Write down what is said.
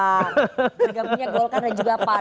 harga punya golkar dan juga pan